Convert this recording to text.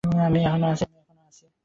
আমি এখনো আছি।